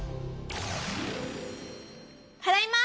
ただいま！